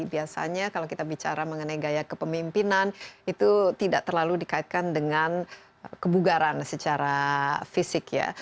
biasanya kalau kita bicara mengenai gaya kepemimpinan itu tidak terlalu dikaitkan dengan kebugaran secara fisik ya